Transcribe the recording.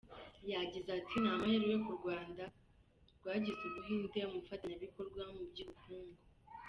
Yagize ati” Ni amahirwe ko u Rwanda rwagize u Buhinde umufatanyabikorwa mu by’ubukungu.